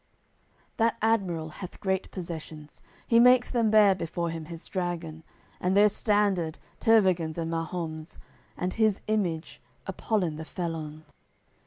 AOI. CCXXXV That admiral hath great possessions; He makes them bear before him his dragon, And their standard, Tervagan's and Mahom's, And his image, Apollin the felon.